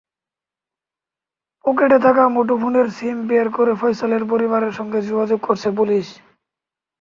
পকেটে থাকা মুঠোফোনের সিম বের করে ফয়সালের পরিবারের সঙ্গে যোগাযোগ করেছে পুলিশ।